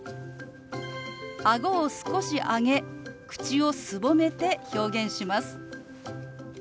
あごを少し上げ口をすぼめて表現します。